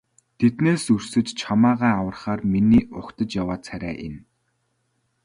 Тэднээс өрсөж чамайгаа аврахаар миний угтаж яваа царай энэ.